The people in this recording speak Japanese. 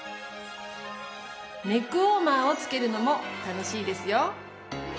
ネックウォーマーをつけるのも楽しいですよ。